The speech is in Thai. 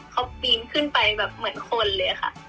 เขาปีนขึ้นไปแบบเหมือนคนเลยค่ะ